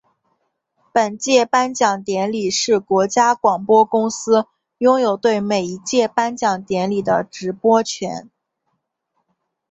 本届颁奖典礼是国家广播公司拥有对每一届颁奖典礼的直播权。